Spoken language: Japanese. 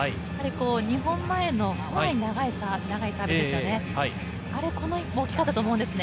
２本前の長いサービスですよね。